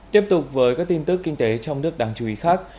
tiếp tục với các tin tức kinh tế trong nước đáng chú ý khác